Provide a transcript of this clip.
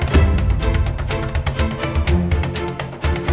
sempat lihat ini anak